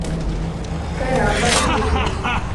كَانَ أَقْبَحَ لِذِكْرِهِ